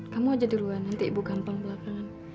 kamu aja duluan nanti ibu gampang belakangan